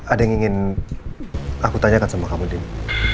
ada yang ingin aku tanyakan sama kamu dini